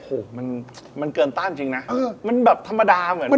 โอ้โหมันเกินต้านจริงนะมันแบบธรรมดาเหมือนแบบ